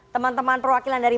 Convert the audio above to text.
teman teman perwakilan dari